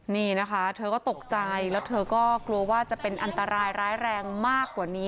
นี่นะคะเธอก็ตกใจแล้วเธอก็กลัวว่าจะเป็นอันตรายร้ายแรงมากกว่านี้